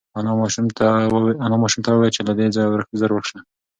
انا ماشوم ته وویل چې له دې ځایه زر ورک شه.